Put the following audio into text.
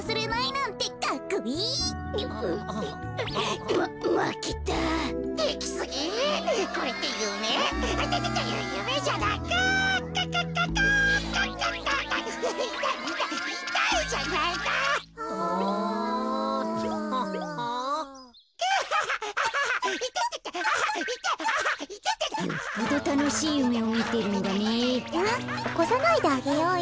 うんおこさないであげようよ。